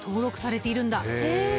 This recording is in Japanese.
へえ！